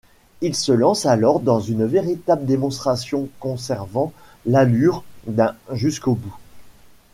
Il se lance alors dans une véritable démonstration, conservant l'allure d'un jusqu'au bout.